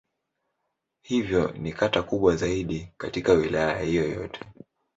Hivyo ni kata kubwa zaidi katika Wilaya hiyo yote.